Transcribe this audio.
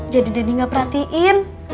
jadi denny gak perhatiin